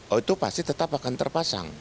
oh itu pasti tetap akan terpasang